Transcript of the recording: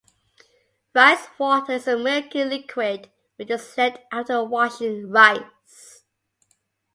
Rice water is a milky liquid which is left after washing rice.